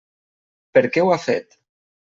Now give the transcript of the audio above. Per què ho ha fet?